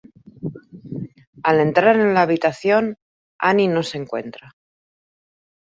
Al entrar en la habitación, Annie no se encuentra.